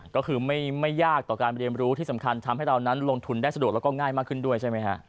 ก็คือไม่ยากต่อการเรียนรู้ที่สำคัญทำให้เรานั้นลงทุนได้สะดวกแล้วก็ง่ายมากขึ้นด้วยใช่ไหมฮะ